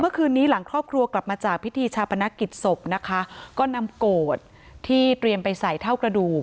เมื่อคืนนี้หลังครอบครัวกลับมาจากพิธีชาปนกิจศพนะคะก็นำโกรธที่เตรียมไปใส่เท่ากระดูก